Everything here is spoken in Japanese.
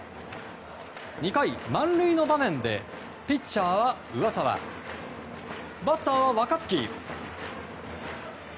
２回、満塁の場面でピッチャーは上沢バッターは若月。